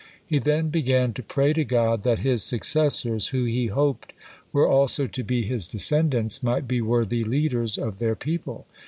He then began to pray to God that his successors, who, he hoped, were also to be his descendants, might be worthy leaders of their people.